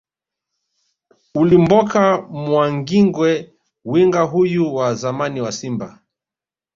Ulimboka Mwangingwe Winga huyu wa zamani wa Simba